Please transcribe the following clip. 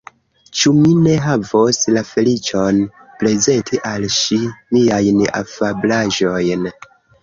Ĉu mi ne havos la feliĉon prezenti al ŝi miajn afablaĵojn?